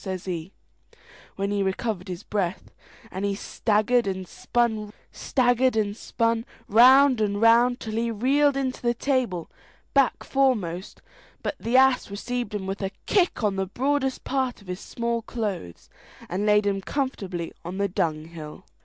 says he, when he recovered his breath; and he staggered and spun round and round till he reeled into the stable, back foremost, but the ass received him with a kick on the broadest part of his small clothes, and laid him comfortably on the dunghill.